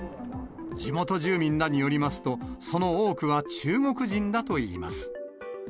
地元住民らによりますと、その多くは中国人だといいます。